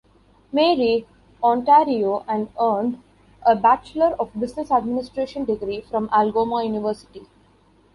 Marie, Ontario and earned a Bachelor of Business Administration Degree from Algoma University.